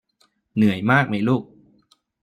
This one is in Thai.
เหนื่อยมากไหมลูก